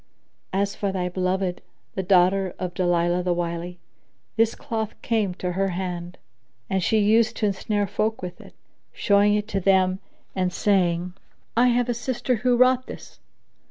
As for thy beloved, the daughter of Dalilah the Wily, this cloth came to her hand, and she used to ensnare folk with it, showing it to them and saying, 'I have a sister who wrought this.'